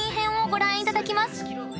［ご覧いただきます］